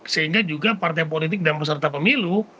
sehingga juga partai politik dan peserta pemilu